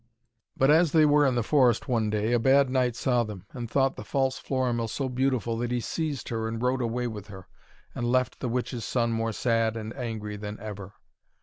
But as they were in the forest one day, a bad knight saw them, and thought the false Florimell so beautiful that he seized her and rode away with her, and left the witch's son more sad and angry than ever.